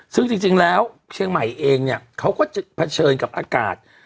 ซึ่งจริงแล้วเชียงใหม่เองเนี่ยเขาก็จะเผชิญกับอากาศ